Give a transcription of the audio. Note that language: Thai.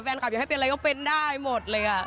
ขับอยากให้เป็นอะไรก็เป็นได้หมดเลย